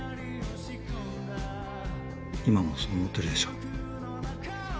今もそう思ってるでしょ？